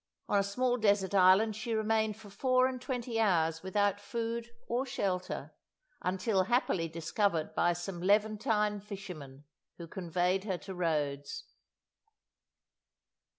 On a small desert island she remained for four and twenty hours without food or shelter, until happily discovered by some Levantine fishermen, who conveyed her to Rhodes.